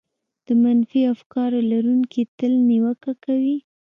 د منفي افکارو لرونکي تل نيوکه کوي.